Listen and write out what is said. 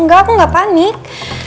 enggak aku gak panik